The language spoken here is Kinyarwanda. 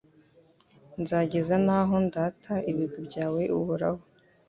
Nzageza n’aho ndata ibigwi byawe Uhoraho